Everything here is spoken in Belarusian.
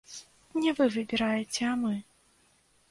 Не вы выбіраеце, а мы.